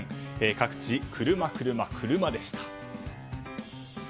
各地、車、車、車でした。